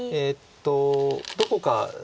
どこか。